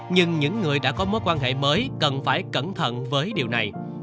nhưng những người đã có mối quan hệ mới cần phải cẩn thận với điều này